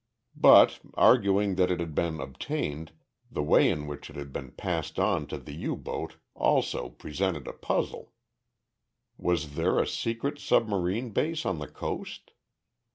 But, arguing that it had been obtained, the way in which it had been passed on to the U boat also presented a puzzle. Was there a secret submarine base on the coast?